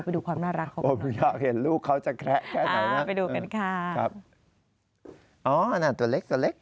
ไปดูความน่ารักของลูกหน่อยนะครับไปดูกันค่ะอ๋อน่าตัวเล็ก